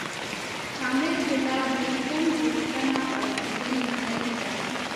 امیر د لارډ لیټن غوښتنه په عاجزۍ منلې ده.